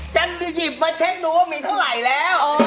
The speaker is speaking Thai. หยิบมาเช็คดูว่ามีเท่าไหร่แล้ว